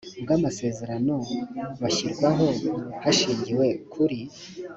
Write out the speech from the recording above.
bw amasezerano bashyirwaho hashingiwe kuri